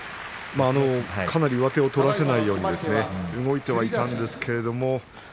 かなり上手を取らせないように動いてはいたんですけども